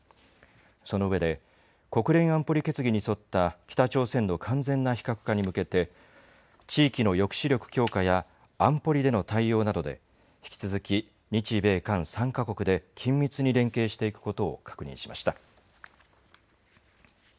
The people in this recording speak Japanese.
その上で国連安保理決議に沿った北朝鮮の完全な非核化に向けて、地域の抑止力強化や安保理での対応などで引き続き日米韓３か国で緊密に連携していくことを確認しました。